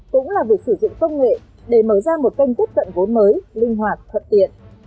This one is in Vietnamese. cũng là việc sử dụng công nghệ để mở ra một kênh tiếp cận vốn mới linh hoạt thuận tiện